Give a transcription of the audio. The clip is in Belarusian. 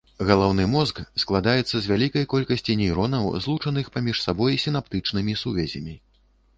Галаўны мозг складаецца з вялікай колькасці нейронаў, злучаных паміж сабой сінаптычнымі сувязямі.